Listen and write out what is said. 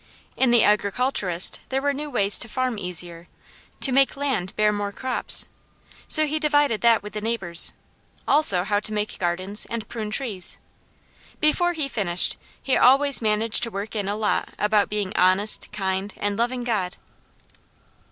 In the Agriculturist there were new ways to farm easier, to make land bear more crops; so he divided that with the neighbours, also how to make gardens, and prune trees. Before he finished, he always managed to work in a lot about being honest, kind, and loving God.